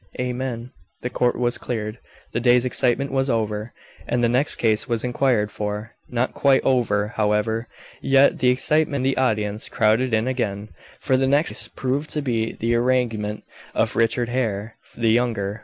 "Amen!" The court was cleared. The day's excitement was over, and the next case was inquired for. Not quite over, however, yet, the excitement, and the audience crowded in again. For the next case proved to be the arraignment of Richard Hare the younger.